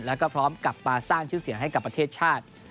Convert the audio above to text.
แล้วก็พร้อมกลับมาสร้างชื่อเสียงให้กับประเทศชาติ